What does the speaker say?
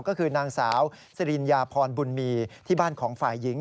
ก็คือนางสาวสริญญาพรบุญมีที่บ้านของฝ่ายหญิง